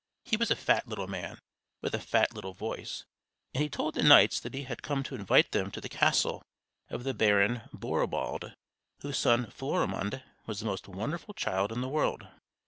He was a fat little man, with a fat little voice; and he told the knights that he had come to invite them to the castle of the Baron Borribald, whose son Florimond was the most wonderful child in the world.